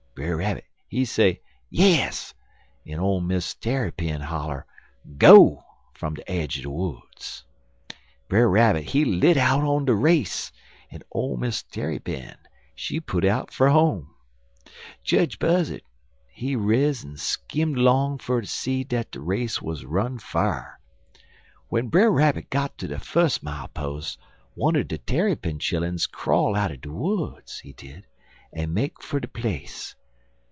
"Brer Rabbit, he say 'yes,' en old Miss Tarrypin holler 'go' fum de aidge er de woods. Brer Rabbit, he lit out on de race, en old Miss Tarrypin, she put out for home. Jedge Buzzard, he riz en skimmed long fer ter see dat de race wuz runned fa'r. W'en Brer Rabbit got ter de fus' mile pos' wunner de Tarrypin chilluns crawl out de woods, he did, en make fer de place.